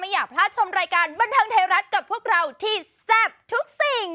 อยากพลาดชมรายการบันเทิงไทยรัฐกับพวกเราที่แซ่บทุกสิ่ง